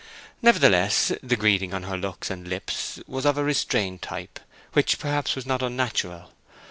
Nevertheless, the greeting on her looks and lips was of a restrained type, which perhaps was not unnatural.